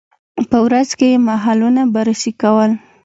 په ورځ کې یې محلونه بررسي کول.